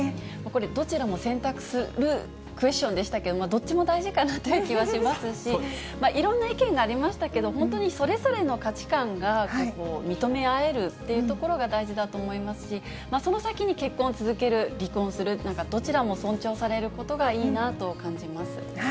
これ、どちらも選択するクエスチョンでしたけれど、どっちも大事かなという気はしますし、いろんな意見がありましたけど、本当にそれぞれの価値観が認め合えるというところが大事だと思いますし、その先に結婚を続ける、離婚する、どちらも尊重されることがいいなと感じます。